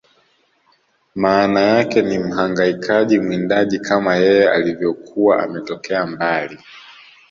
Maana yake ni Mhangaikaji Mwindaji kama yeye alivyokuwa ametokea mbali